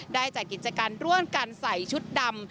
ได้จัดกิจกรรมร่วมกันใส่ชุดดำ